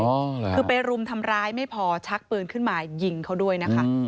เหรอคือไปรุมทำร้ายไม่พอชักปืนขึ้นมายิงเขาด้วยนะคะ